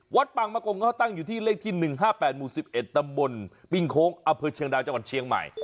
ปังมะกงเขาตั้งอยู่ที่เลขที่๑๕๘หมู่๑๑ตำบลปิ้งโค้งอำเภอเชียงดาวจังหวัดเชียงใหม่